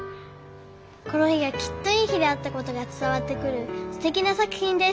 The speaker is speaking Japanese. この日がきっといい日であったことが伝わってくるすてきな作品です」。